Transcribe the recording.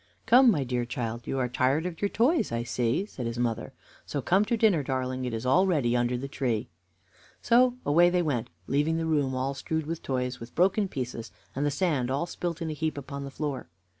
"Come, my dear child; you are tired of your toys, I see," said his mother, "so come to dinner, darling. It is all ready under the tree." So away they went, leaving the room all strewed with toys, with broken pieces, and the sand all spilt in a heap upon the floor.